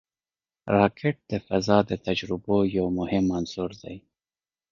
راکټ د فضا د تجربو یو مهم عنصر دی